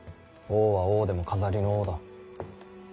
王は王でも飾りの王だ。